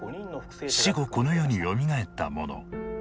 死後この世によみがえった者。